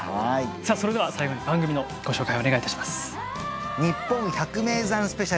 さあそれでは最後に番組のご紹介お願いいたします。